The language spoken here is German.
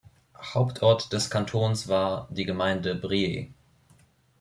Hauptort des Kantons war die Gemeinde Briey.